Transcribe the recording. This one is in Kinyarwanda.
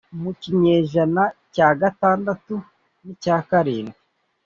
mu kinyejana cya gatandatu n’icya karindwi